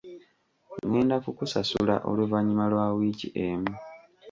Ngenda kukusasula oluvannyuma lwa wiiki emu.